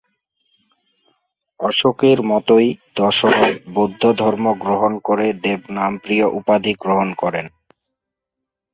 অশোকের মতোই দশরথ বৌদ্ধ ধর্ম গ্রহণ করে "দেবনামপ্রিয়" উপাধি গ্রহণ করেন।